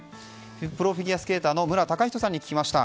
プロフィギュアスケーターの無良崇人さんに聞きました。